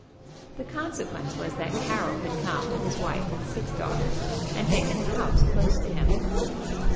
The consequence was that Carroll had come with his wife and six daughters and taken a house close to him.